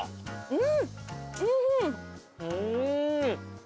うん。